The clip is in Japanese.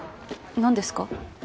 何ですか？